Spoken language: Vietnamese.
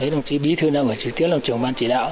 đồng chí bí thư nông trực tiếp làm trưởng ban chỉ đạo